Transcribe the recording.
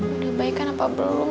udah baik kan apa belum